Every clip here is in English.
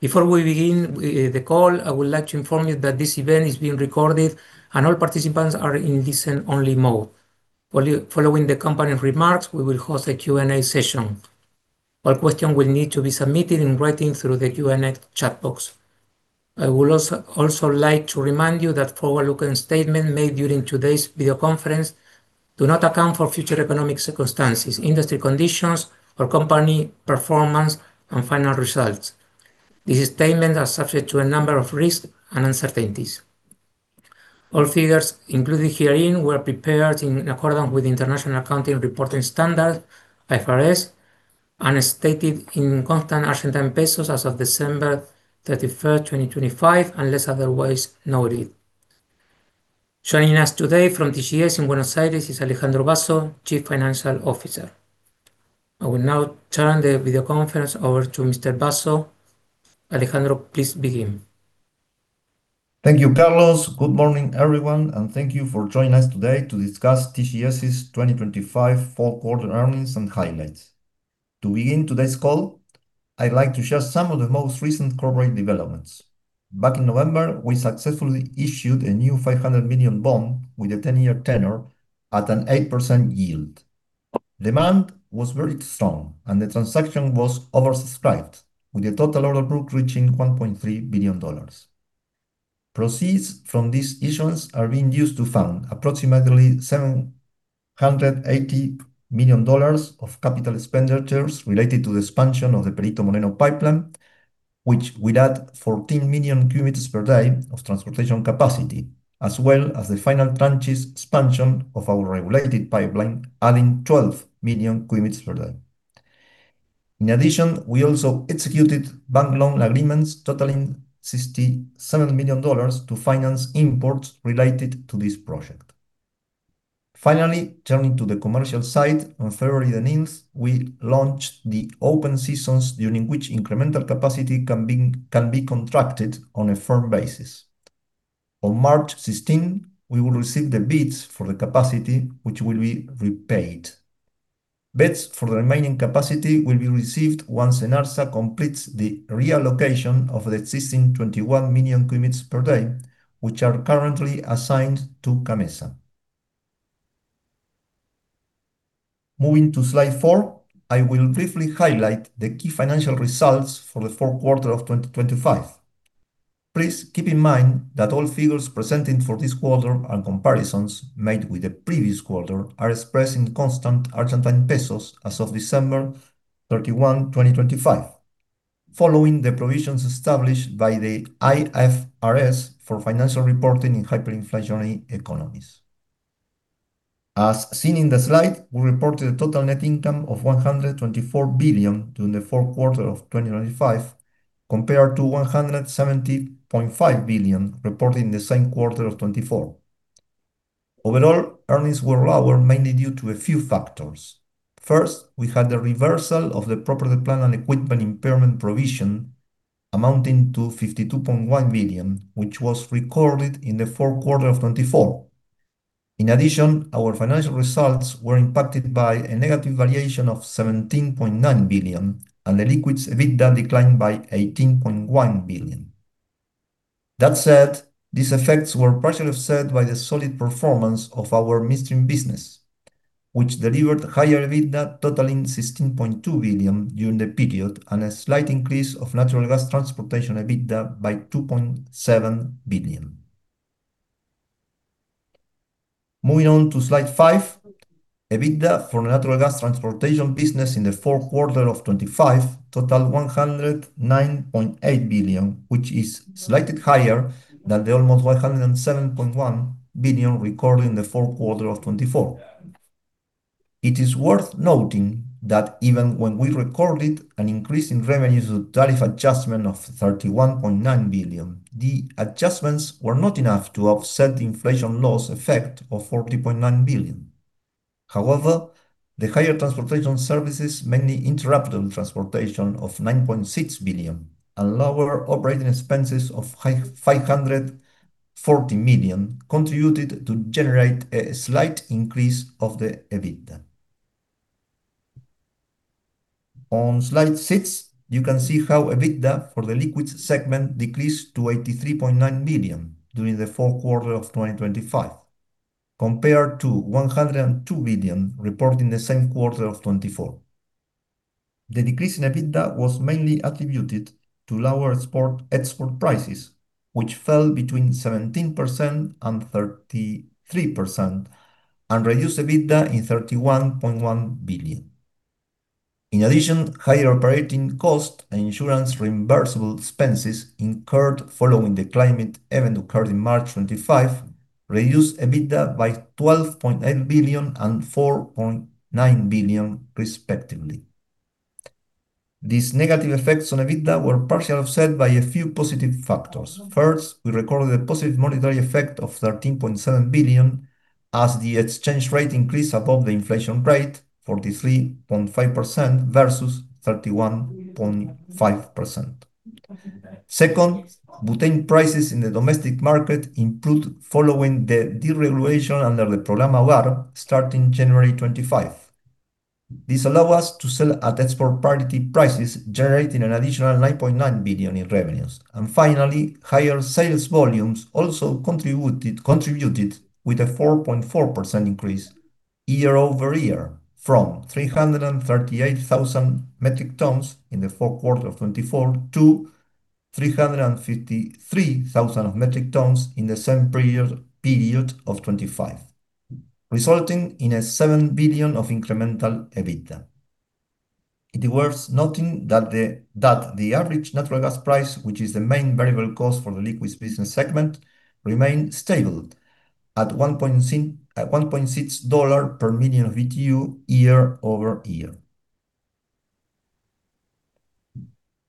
Before we begin the call, I would like to inform you that this event is being recorded and all participants are in listen-only mode. Following the company remarks, we will host a Q&A session. All question will need to be submitted in writing through the Q&A chat box. I would also like to remind you that forward-looking statement made during today's video conference do not account for future economic circumstances, industry conditions or company performance and final results. These statements are subject to a number of risks and uncertainties. All figures included herein were prepared in accordance with International Accounting Reporting Standards, IFRS, and stated in constant Argentine pesos as of December 31st, 2025, unless otherwise noted. Joining us today from TGS in Buenos Aires is Alejandro Basso, Chief Financial Officer. I will now turn the video conference over to Mr. Basso. Alejandro, please begin. Thank you, Carlos. Good morning, everyone, thank you for joining us today to discuss TGS's 2025 fourth quarter earnings and highlights. To begin today's call, I'd like to share some of the most recent corporate developments. Back in November, we successfully issued a new $500 million bond with a 10-year tenure at an 8% yield. Demand was very strong, the transaction was oversubscribed, with the total order book reaching $1.3 billion. Proceeds from these issuance are being used to fund approximately $780 million of CapEx related to the expansion of the Perito Moreno pipeline, which will add 14 million cubic meters per day of transportation capacity, as well as the final tranches expansion of our regulated pipeline, adding 12 million cubic meters per day. We also executed bank loan agreements totaling $67 million to finance imports related to this project. Turning to the commercial side, on February 9, we launched the open seasons during which incremental capacity can be contracted on a firm basis. On March 16, we will receive the bids for the capacity, which will be repaid. Bids for the remaining capacity will be received once ENARSA completes the reallocation of the existing 21 million cubic meters per day, which are currently assigned to CAMMESA. Moving to slide four, I will briefly highlight the key financial results for the fourth quarter of 2025. Please keep in mind that all figures presented for this quarter and comparisons made with the previous quarter are expressed in constant Argentine pesos as of December 31, 2025, following the provisions established by the IFRS for financial reporting in hyperinflationary economies. As seen in the slide, we reported a total net income of 124 billion during the fourth quarter of 2025, compared to 170.5 billion reported in the same quarter of 2024. Overall, earnings were lower, mainly due to a few factors. First, we had the reversal of the property plant and equipment impairment provision amounting to 52.1 billion, which was recorded in the fourth quarter of 2024. In addition, our financial results were impacted by a negative variation of 17.9 billion and the liquids EBITDA declined by 18.1 billion. That said, these effects were partially offset by the solid performance of our midstream business, which delivered higher EBITDA totaling 16.2 billion during the period and a slight increase of natural gas transportation EBITDA by 2.7 billion. Moving on to slide 5, EBITDA for the natural gas transportation business in the fourth quarter of 2025 totaled 109.8 billion, which is slightly higher than the almost 107.1 billion recorded in the fourth quarter of 2024. It is worth noting that even when we recorded an increase in revenue tariff adjustment of 31.9 billion, the adjustments were not enough to offset the inflation loss effect of 40.9 billion. The higher transportation services, mainly interruptible transportation of $9.6 billion and lower operating expenses of $540 million, contributed to generate a slight increase of the EBITDA. On slide six, you can see how EBITDA for the liquids segment decreased to $83.9 billion during the fourth quarter of 2025, compared to $102 billion reported in the same quarter of 2024. The decrease in EBITDA was mainly attributed to lower export prices, which fell between 17% and 33% and reduced EBITDA in $31.1 billion. Higher operating costs and insurance reimbursable expenses incurred following the climate event occurred in March 2025 reduced EBITDA by $12.8 billion and $4.9 billion, respectively. These negative effects on EBITDA were partially offset by a few positive factors. First, we recorded a positive monetary effect of 13.7 billion as the exchange rate increased above the inflation rate, 43.5% versus 31.5%. Second, butane prices in the domestic market improved following the deregulation under the Programa VAR starting January 25. This allow us to sell at export parity prices, generating an additional 9.9 billion in revenues. Finally, higher sales volumes also contributed with a 4.4% increase year-over-year from 338,000 metric tons in the fourth quarter of 2024 to 353,000 metric tons in the same period of 2025, resulting in 7 billion of incremental EBITDA. It is worth noting that the average natural gas price, which is the main variable cost for the liquids business segment, remained stable at $1.6 per million BTU year-over-year.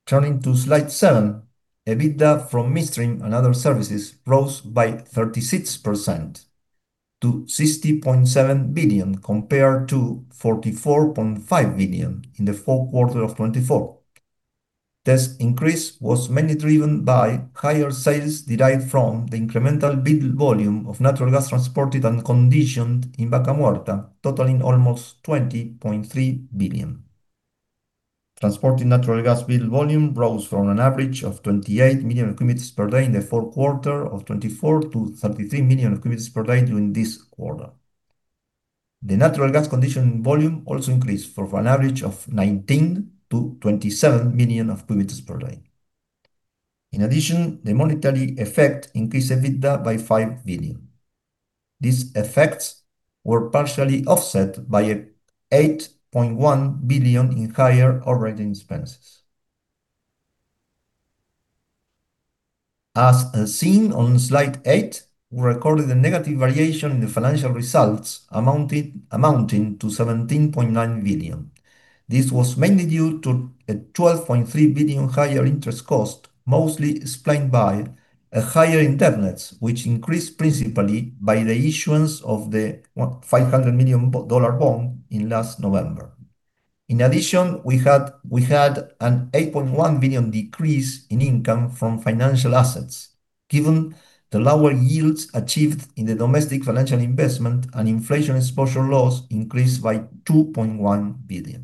Turning to slide seven, EBITDA from midstream and other services rose by 36% to $60.7 billion, compared to $44.5 billion in the fourth quarter of 2024. This increase was mainly driven by higher sales derived from the incremental billion volume of natural gas transported and conditioned in Vaca Muerta, totaling almost $20.3 billion. Transported natural gas billion volume rose from an average of 28 million cubic meters per day in the fourth quarter of 2024 to 33 million cubic meters per day during this quarter. The natural gas conditioning volume also increased from an average of 19 to 27 million of cubic meters per day. In addition, the monetary effect increased EBITDA by $5 billion. These effects were partially offset by a $8.1 billion in higher operating expenses. As seen on slide eight, we recorded a negative variation in the financial results amounting to $17.9 billion. This was mainly due to a $12.3 billion higher interest cost, mostly explained by a higher in debt nets, which increased principally by the issuance of the $500 million dollar bond in last November. In addition, we had an $8.1 billion decrease in income from financial assets, given the lower yields achieved in the domestic financial investment and inflation exposure loss increased by $2.1 billion.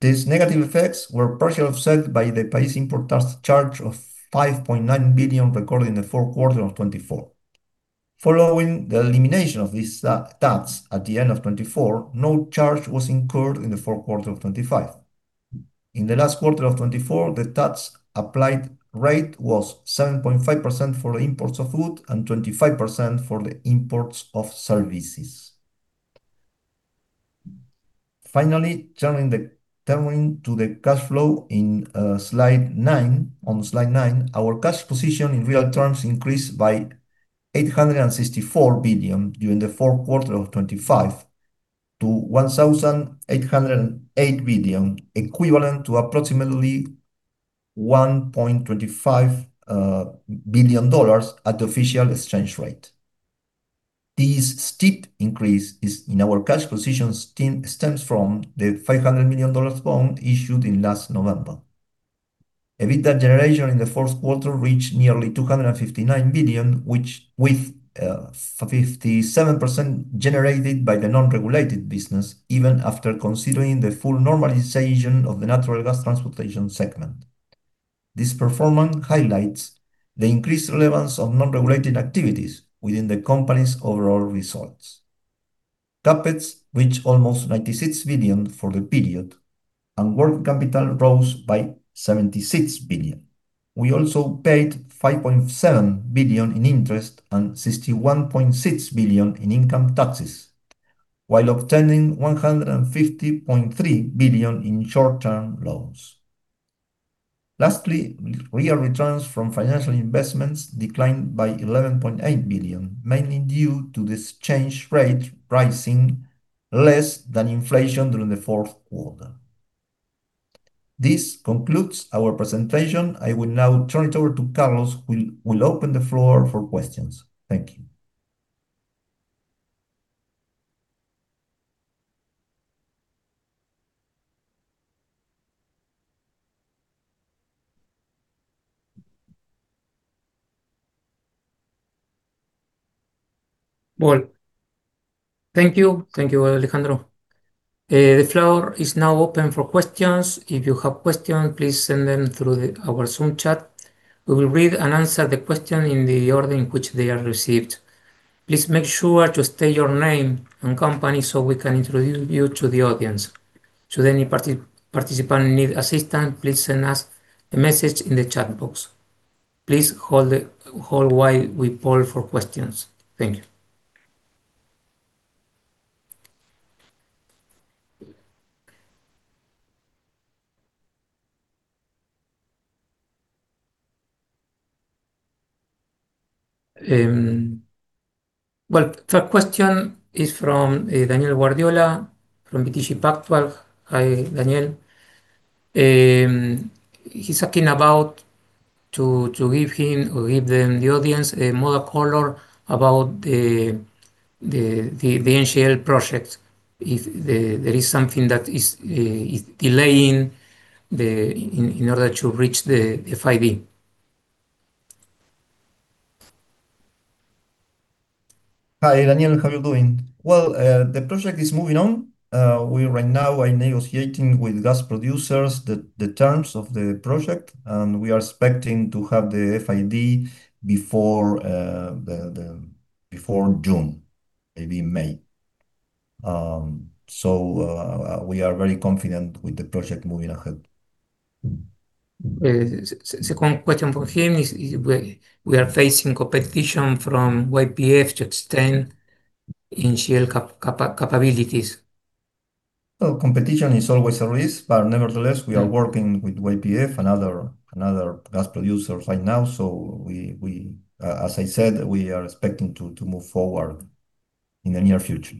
These negative effects were partially offset by the pays import tax charge of 5.9 billion recorded in the fourth quarter of 2024. Following the elimination of these tax at the end of 2024, no charge was incurred in the fourth quarter of 2025. In the last quarter of 2024, the tax applied rate was 7.5% for the imports of food and 25% for the imports of services. Finally, turning to the cash flow in slide nine. On slide nine, our cash position in real terms increased by 864 billion during the fourth quarter of 2025 to 1,808 billion, equivalent to approximately $1.25 billion at the official exchange rate. This steep increase in our cash position stems from the $500 million bond issued in last November. EBITDA generation in Q4 reached nearly 259 billion, with 57% generated by the non-regulated business, even after considering the full normalization of the natural gas transportation segment. This performance highlights the increased relevance of non-regulated activities within the company's overall results. CapEx reached almost 96 billion for the period, and working capital rose by 76 billion. We also paid 5.7 billion in interest and 61.6 billion in income taxes, while obtaining 150.3 billion in short-term loans. Lastly, real returns from financial investments declined by 11.8 billion, mainly due to the exchange rate rising less than inflation during Q4. This concludes our presentation. I will now turn it over to Carlos who will open the floor for questions. Thank you. Well, thank you. Thank you, Alejandro. The floor is now open for questions. If you have questions, please send them through our Zoom chat. We will read and answer the question in the order in which they are received. Please make sure to state your name and company so we can introduce you to the audience. Should any participant need assistance, please send us a message in the chat box. Please hold while we poll for questions. Thank you. Well, first question is from Daniel Guardiola from BTG Pactual. Hi, Daniel. He's asking about to give him or give them the audience a more color about the NGL project. If there is something that is delaying in order to reach the FID. Hi, Daniel. How are you doing? Well, the project is moving on. We right now are negotiating with gas producers the terms of the project, we are expecting to have the FID before June, maybe May. We are very confident with the project moving ahead. Second question for him is, we are facing competition from YPF to extend in shale capabilities. Well, competition is always a risk, but nevertheless. Yeah we are working with YPF, another gas producer right now. As I said, we are expecting to move forward in the near future.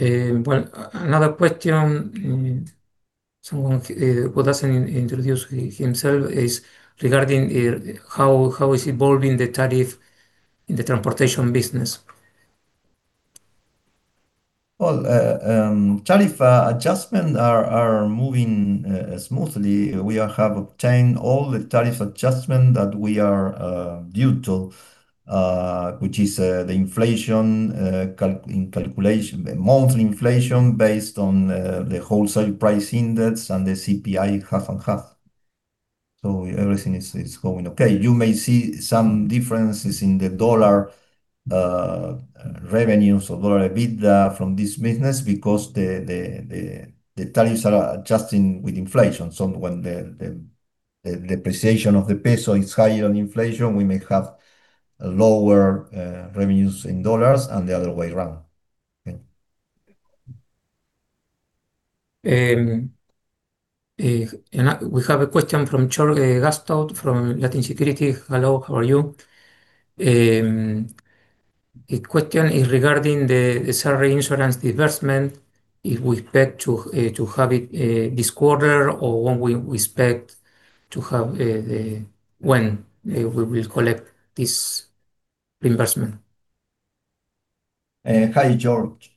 Well, another question, someone who doesn't introduce himself is regarding how is evolving the tariff in the transportation business? Well, tariff adjustment are moving smoothly. We have obtained all the tariff adjustment that we are due to, which is the inflation calculation. The monthly inflation based on the wholesale price index and the CPI half and half. Everything is going okay. You may see some differences in the dollar revenues or dollar EBITDA from this business because the tariffs are adjusting with inflation. When the appreciation of the peso is higher than inflation, we may have lower revenues in dollars and the other way around. Okay. We have a question from George Gastout from Latin Securities. Hello, how are you? The question is regarding the Surrey insurance reimbursement, if we expect to have it this quarter, or when we expect to have when we will collect this reimbursement. Hi, George.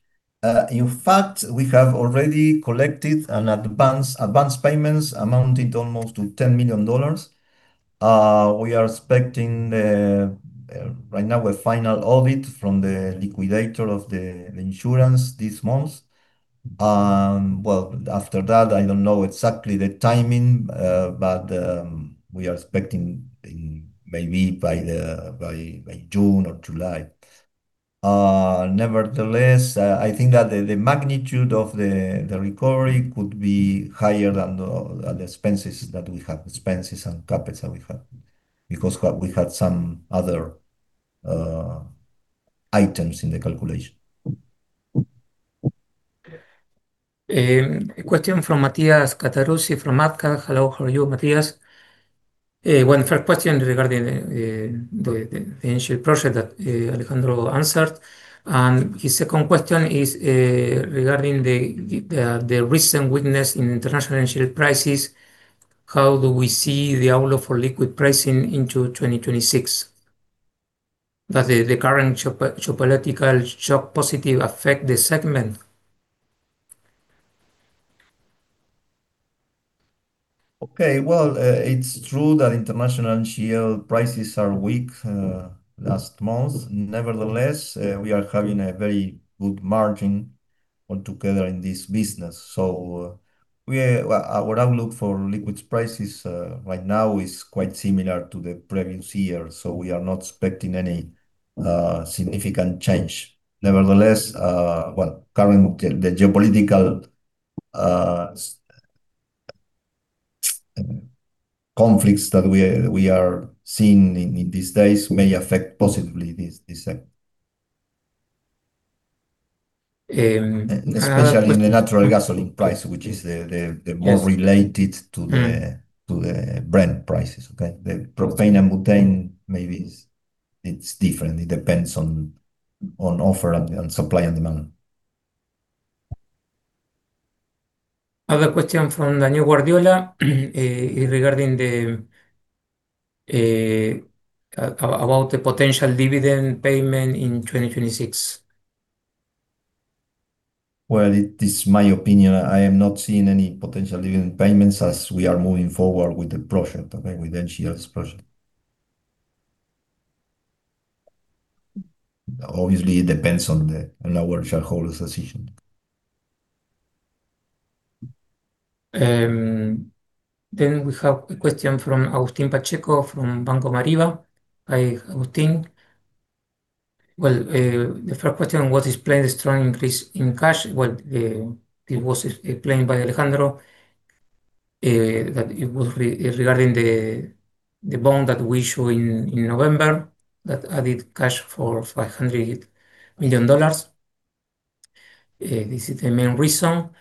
In fact, we have already collected advance payments amounting to almost $10 million. We are expecting right now a final audit from the liquidator of the insurance this month. Well, after that, I don't know exactly the timing, but we are expecting maybe by June or July. Nevertheless, I think that the magnitude of the recovery could be higher than the expenses that we have, expenses and CapEx that we have because we had some other items in the calculation. A question from Matthias Cattaruzzi from AdCap. Hello, how are you, Matthias? First question regarding the initial project that Alejandro answered. His second question is regarding the recent weakness in international energy prices. How do we see the outlook for liquid pricing into 2026? Does the current geopolitical shock positive affect the segment? Well, it's true that international NGL prices are weak last month. Nevertheless, we are having a very good margin altogether in this business. We, our outlook for liquids prices right now is quite similar to the previous year. We are not expecting any significant change. Nevertheless, well, current geopolitical conflicts that we are seeing in these days may affect positively this segment. Um, uh- Especially in the natural gasoline price, which is the. Yes... the more related to Mm-hmm... to the Brent prices. Okay? The propane and butane, maybe it's different. It depends on offer and supply and demand. Other question from Daniel Guardiola about the potential dividend payment in 2026. Well, it is my opinion, I am not seeing any potential dividend payments as we are moving forward with the project. Okay? With NGL's project. Obviously, it depends on our shareholders' decision. We have a question from Agustin Pacheco from Banco Mariva. Hi, Agustin. The first question, what is planned strong increase in cash? It was explained by Alejandro that it was regarding the bond that we show in November that added cash for $500 million. This is the main reason.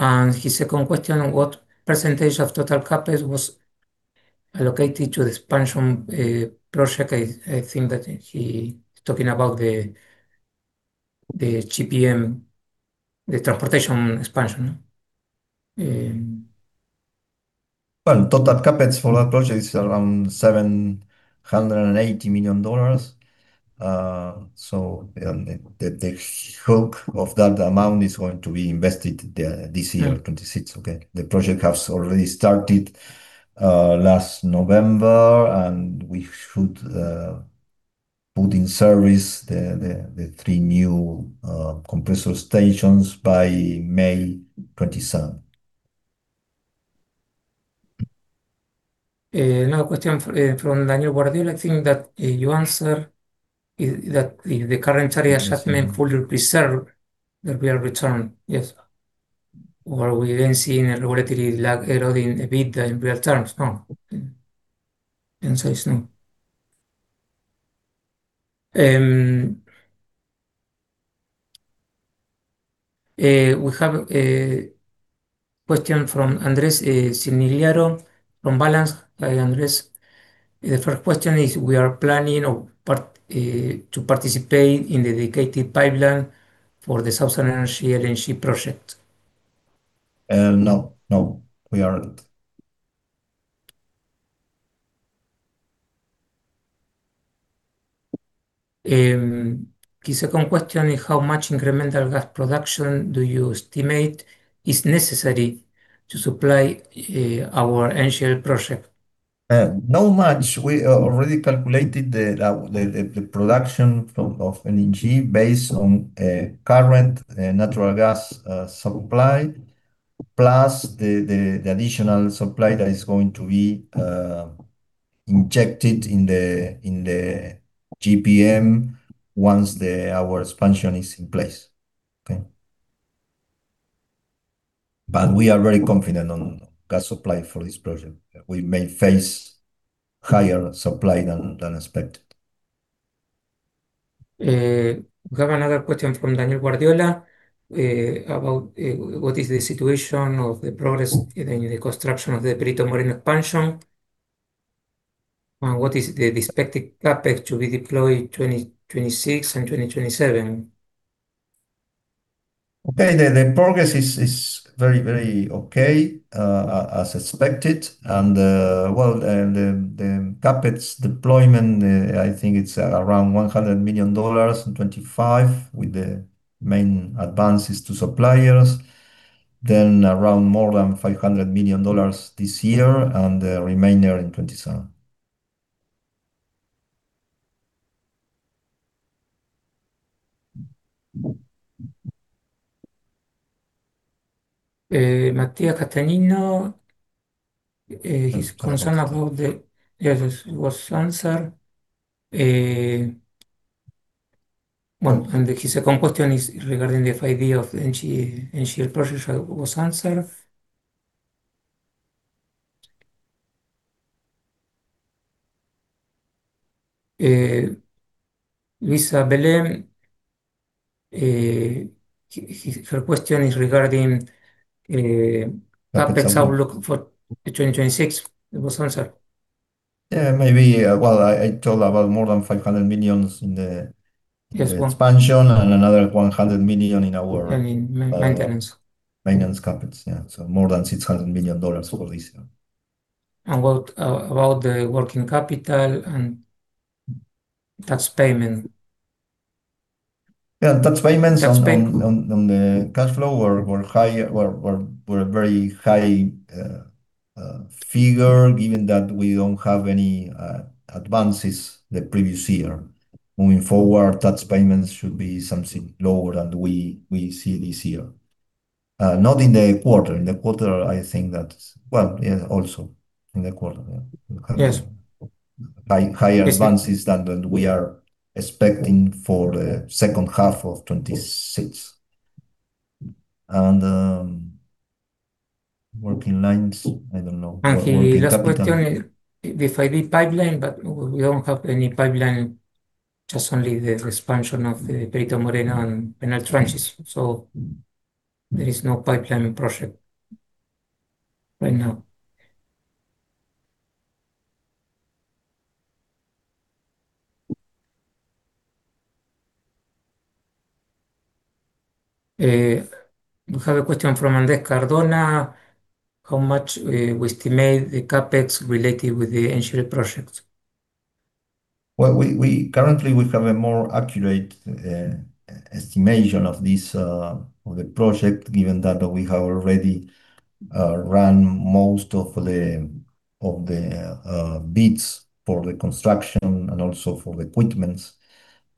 His second question, what % of total CapEx was allocated to the expansion project? I think that he is talking about the GPM, the transportation expansion. total CapEx for that project is around $780 million. The bulk of that amount is going to be invested this year. Yeah... 2026. Okay? The project has already started last November. We should Putting service the three new compressor stations by May 2027. Now a question from Daniel Guardiola. I think that you answered that the current area adjustment fully preserve the real return. Are we then seeing a regulatory lag eroding the bid in real terms? Okay. It's no. We have a question from Andres Cirnigliaro from Balanz. Hi, Andres. The first question is: We are planning to participate in the dedicated pipeline for the Southern Energy LNG project? No, no, we aren't. His second question is: How much incremental gas production do you estimate is necessary to supply, our NGL project? Not much. We already calculated the production of LNG based on current natural gas supply, plus the additional supply that is going to be injected in the GPM once our expansion is in place. Okay? We are very confident on gas supply for this project. We may face higher supply than expected. We have another question from Daniel Guardiola, about what is the situation of the progress in the construction of the Perito Moreno expansion, and what is the expected CapEx to be deployed 26 and 2027? Okay. The progress is very okay, as expected. The CapEx deployment, I think it's around $100 million in 2025, with the main advances to suppliers. Around more than $500 million this year, and the remainder in 2027. Mattia Castagnino is concerned about the. Yes, it was answered. Well, his second question is regarding the 5 year of the NGL project was answered. Luisa Belem, her question is regarding CapEx outlook for 2026. It was answered. Yeah, maybe. Well, I told about more than $500 million. Yes... expansion and another $100 million. I mean maintenance.... maintenance CapEx. Yeah. More than $600 million over this year. What about the working capital and tax payment? Yeah, tax payments. Tax payment. on the cash flow were a very high figure, given that we don't have any advances the previous year. Moving forward, tax payments should be something lower than we see this year. Not in the quarter. In the quarter, I think that, well, yeah, also in the quarter, yeah. Yes. Like higher advances than we are expecting for the second half of 2026. Working lines, I don't know. Working capital. His last question, if I need pipeline, but we don't have any pipeline, just only the expansion of the Perito Moreno and Penal tranches. There is no pipeline project right now. We have a question from Andres Cardona. How much we estimate the CapEx related with the NGL project? Well, we currently we have a more accurate estimation of this of the project, given that we have already ran most of the bids for the construction and also for the equipments.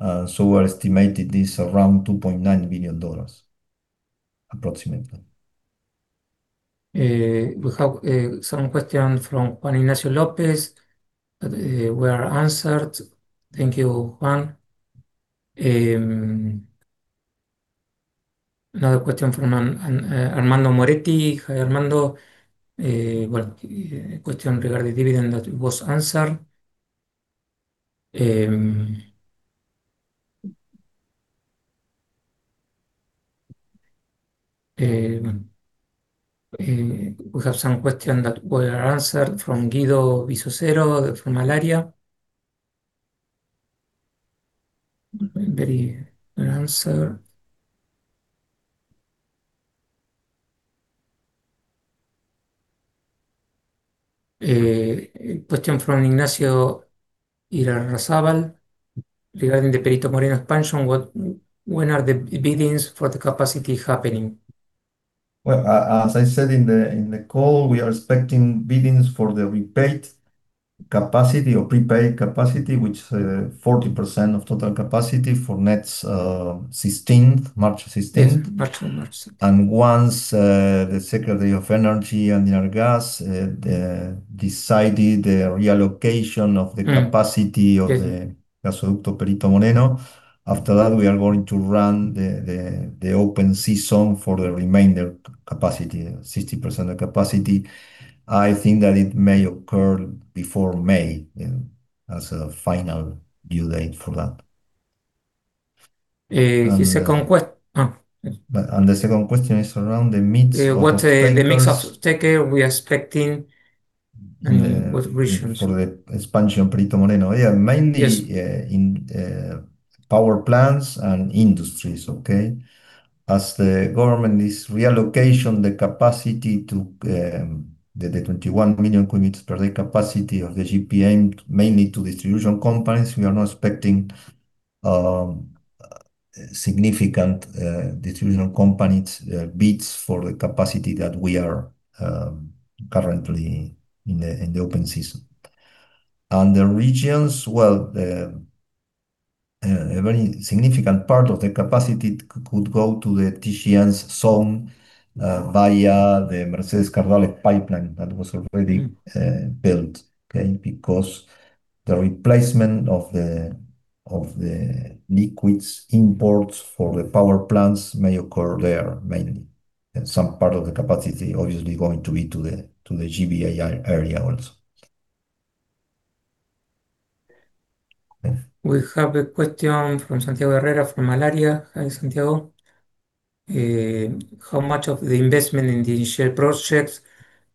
We're estimating this around $2.9 billion, approximately. We have some questions from Juan Ignacio Lopez were answered. Thank you, Juan. Another question from Armando Moretti. Hi, Armando. Well, question regarding dividend that was answered. We have some question that were answered from Guido Bizzozero from Allaria. Very answered. A question from Ignacio Irarrázaval regarding the Perito Moreno expansion. When are the biddings for the capacity happening? Well, as I said in the call, we are expecting biddings for the repaid capacity or prepaid capacity, which, 40% of total capacity for next, 16th, March 16th. Yes, fourteenth March. Once the Secretary of Energy and ENARGAS decided the reallocation of the capacity of the Gasoducto Perito Moreno, after that, we are going to run the open season for the remainder capacity, 60% of capacity. I think that it may occur before May, you know, as a final due date for that. The second Oh. The second question is around the mix of the takers. What, the mix of taker we're expecting and what regions? For the expansion of Perito Moreno. Yeah. Yes... in power plants and industries. Okay? As the government is reallocation the capacity to the 21 million cubic meters per day capacity of the GPM mainly to distribution companies, we are not expecting significant distribution companies bids for the capacity that we are currently in the open season. The regions, well, a very significant part of the capacity could go to the TGS zone via the Mercedes-Cardales pipeline that was already built. Okay? Because the replacement of the liquids imports for the power plants may occur there mainly. Some part of the capacity obviously going to be to the GBA area also. We have a question from Santiago Herrera from Allaria. Hi, Santiago. How much of the investment in the initial projects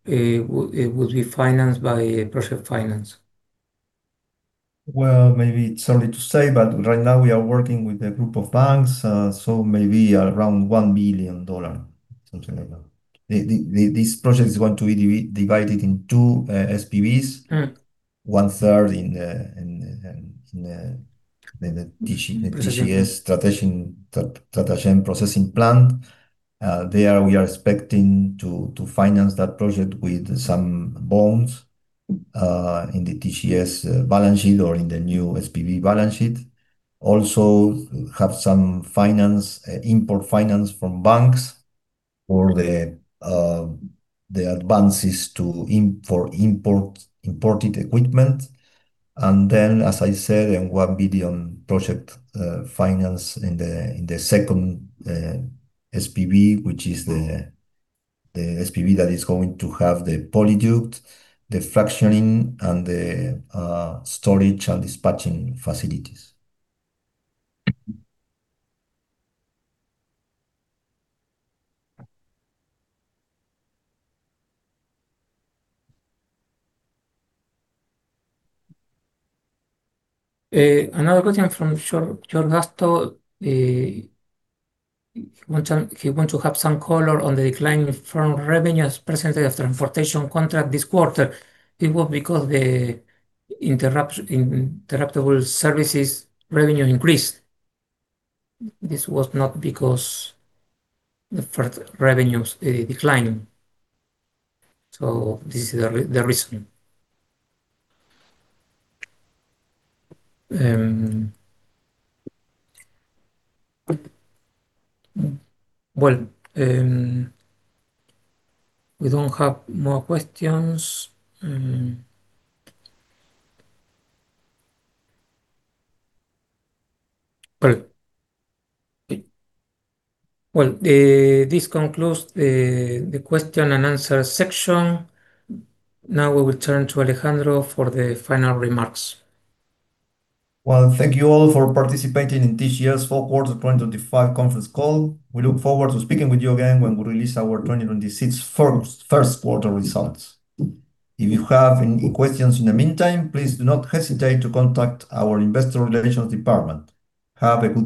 would be financed by project finance? Well, maybe it's early to say, right now we are working with a group of banks, so maybe around $1 billion, something like that. This project is going to be divided in two SPVs. 1/3 in the TGS Tratayén processing plant. There we are expecting to finance that project with some bonds in the TGS balance sheet or in the new SPV balance sheet. Also have some finance, import finance from banks or the advances for import, imported equipment. As I said, in $1 billion project finance in the second SPV, which is the SPV that is going to have the polyduct, the fractioning, and the storage and dispatching facilities. Another question from George Gasztowtt. He want to have some color on the decline in firm revenue as % of transportation contract this quarter. It was because the interruptible services revenue increased. This was not because the firm revenues declining. This is the reason. Well, we don't have more questions. Well, this concludes the question and answer section. Now we will turn to Alejandro for the final remarks. Well, thank you all for participating in this year's fourth quarter 2025 conference call. We look forward to speaking with you again when we release our 2026 first quarter results. If you have any questions in the meantime, please do not hesitate to contact our investor relations department. Have a good day.